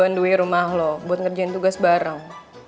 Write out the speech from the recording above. andui rumah lo buat ngerjain tugas barang